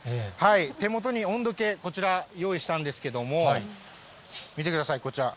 手元に温度計、こちら、用意したんですけども、見てください、こちら。